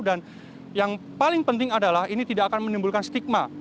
dan yang paling penting adalah ini tidak akan menimbulkan stigma